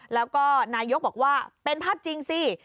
แล้วก็นายกบอกว่าเป็นภาพจริงสิ